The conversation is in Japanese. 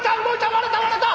割れた割れた！